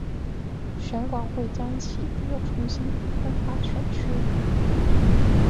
选管会将启德重新分划选区。